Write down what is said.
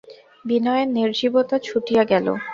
বিনয়ের নির্জীবতা ছুটিয়া গেল।